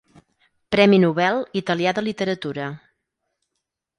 Premi Nobel italià de literatura.